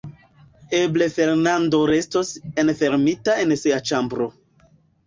Eble Fernando restos enfermita en sia ĉambro.